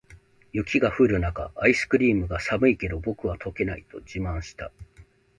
雪が降る中、アイスクリームが「寒いけど、僕は溶けない！」と自慢した。